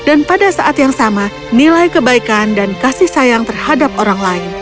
dan pada saat yang sama nilai kebaikan dan kasih sayang terhadap orang lain